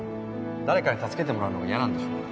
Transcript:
誰かに助けてもらうのが嫌なんでしょ？